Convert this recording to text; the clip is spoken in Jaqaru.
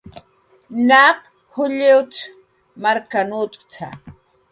"Naq juli markaw utkt""a"